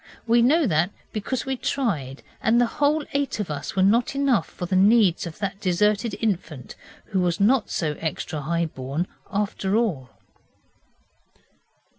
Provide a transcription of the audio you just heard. We know that because we tried, and the whole eight of us were not enough for the needs of that deserted infant who was not so extra high born after all.